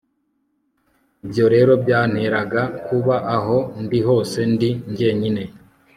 ibyo rero byanteraga kuba aho ndi hose ndi njyenyine